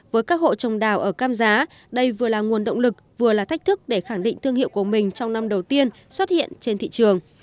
với các hộ trồng đào ở cam giá đây vừa là nguồn động lực vừa là thách thức để khẳng định thương hiệu của mình trong năm đầu tiên xuất hiện trên thị trường